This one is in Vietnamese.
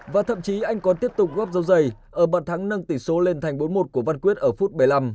và thậm chí anh còn tiếp tục góp dấu dày ở bàn thắng nâng tỷ số lên thành bốn mươi một của văn quyết ở phút bảy mươi năm